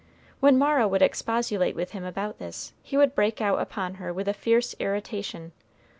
When Mara would expostulate with him about this, he would break out upon her with a fierce irritation.